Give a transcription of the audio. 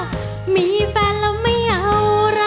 สมาธิพร้อมเพลงพร้อมร้องได้ให้ล้านเพลงที่สี่เพลงมาครับ